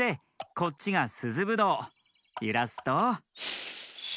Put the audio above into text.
ゆらすと。